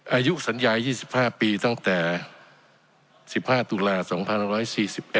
อายุสัญญา๒๕ปีตั้งแต่๑๕ตุลา๒๑๔๑